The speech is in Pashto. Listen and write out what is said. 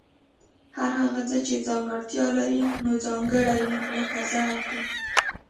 هر هغه څه چي ځانګړتیا لري نو ځانګړي وي لکه زه او ته